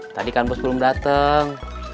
tadi kan bos belum datang